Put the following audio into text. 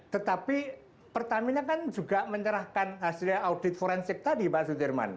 tetapi pertamina kan juga menyerahkan hasil audit forensik tadi pak sudirman